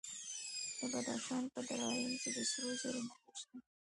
د بدخشان په درایم کې د سرو زرو نښې شته.